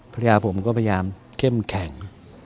ภรรยาผมก็พยายามเข้มแข็ง